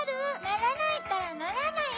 ならないったらならない！